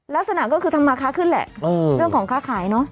ลักษณะก็คือทำมาค้าขึ้นแหละเรื่องของค้าขายเนอะ